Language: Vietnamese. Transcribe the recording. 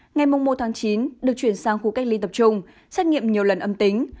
ngày một chín được chuyển sang khu cách ly tập trung xét nghiệm nhiều lần âm tính